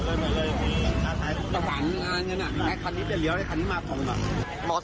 สถานงานนั้นแม่คันนี้จะเลี้ยวให้คันนี้มาตรง